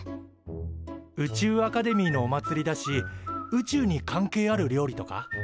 宇宙アカデミーのおまつりだし宇宙に関係ある料理とか？